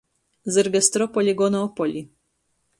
Zyrga stropoli gona opoli.